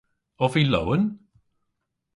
Ov vy lowen?